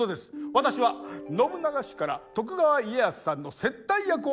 私は信長氏から徳川家康さんの接待役を任されました。